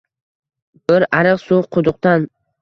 Bir ariq suv quduqdan